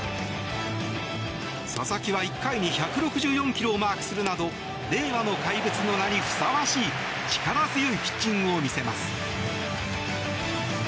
佐々木は１回に１６４キロをマークするなど令和の怪物の名にふさわしい力強いピッチングを見せます。